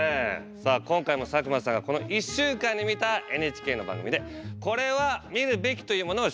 さあ今回も佐久間さんがこの１週間に見たＮＨＫの番組で「これは見るべき！」というものを紹介。